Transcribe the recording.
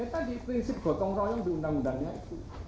tadi prinsip gotong royong di undang undangnya itu